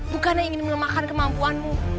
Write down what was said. bukannya ingin mengemakan kemampuanmu